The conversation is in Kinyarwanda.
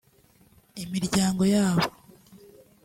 imiryango yabo